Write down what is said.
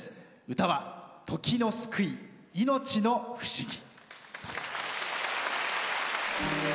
歌は「時の救い命の不思議」。